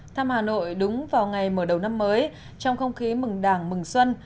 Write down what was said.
thăm hà nội đúng vào ngày mở đầu năm mới trong không khí mừng đảng mừng xuân